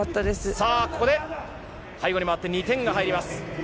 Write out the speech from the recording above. さあ、ここで背後に回って、２点が入ります。